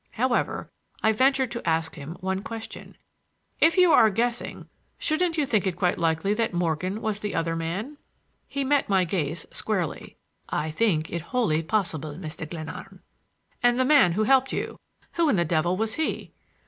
However, I ventured to ask him one question. "If you were guessing, shouldn't you think it quite likely that Morgan was the other man?" He met my gaze squarely. "I think it wholly possible, Mr. Glenarm." "And the man who helped you—who in the devil was he?"